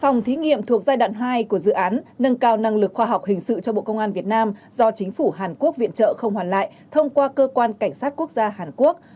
phòng thí nghiệm thuộc giai đoạn hai của dự án nâng cao năng lực khoa học hình sự cho bộ công an việt nam do chính phủ hàn quốc viện trợ không hoàn lại thông qua cơ quan cảnh sát quốc gia hàn quốc